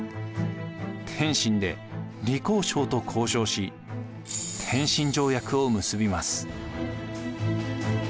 天津で李鴻章と交渉し天津条約を結びます。